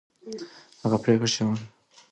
هغه پرېکړې چې پر واقعیت ولاړې وي دوام لري